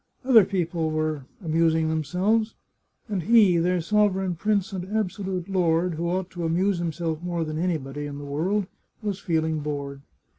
Other people were amus ing themselves, and he, their sovereign prince and abso lute lord, who ought to amuse himself more than anybody in the world, was feeling bored.